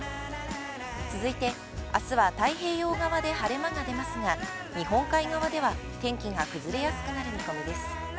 続いて、あすは太平洋側で晴れ間が出ますが日本海側では天気が崩れやすくなる見込みです。